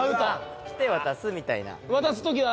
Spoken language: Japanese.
で渡すみたいな。